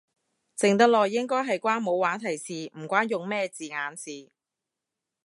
靜得耐應該係關冇話題事，唔關用咩字眼事